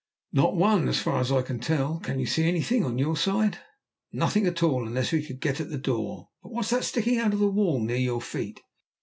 "Not one, as far as I can tell. Can you see anything on your side?" "Nothing at all, unless we could get at the door. But what's that sticking out of the wall near your feet?"